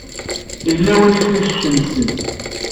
Yella win i sen-iseččen ssem.